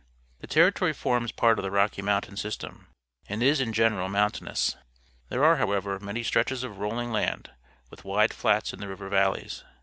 — The Territory forms part of the Rocky Mountain system and i s, in general, mountainou s. There are, however, many stretches of rolling land, with wide flats in the river valleys.